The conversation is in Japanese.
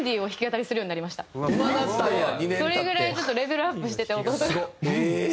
それぐらいちょっとレベルアップしてて弟が。